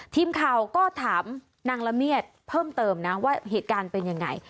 ทีมข่าวก็ถามนางละเมียดเพิ่มเติมนะว่าเหตุการณ์เป็นยังไง